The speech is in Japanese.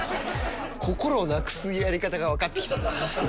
心をなくすやり方が分かってきたな。